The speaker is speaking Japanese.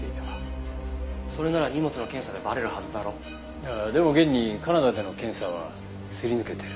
いやでも現にカナダでの検査はすり抜けてる。